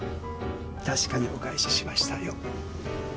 確かにお返ししましたよ。